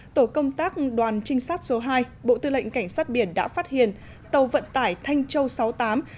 tổ công tác đoàn trinh sát số hai bộ tư lệnh cảnh sát biển đã phát hiện tàu vận tải thanh châu sáu mươi tám